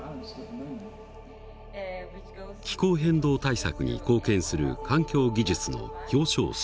気候変動対策に貢献する環境技術の表彰式。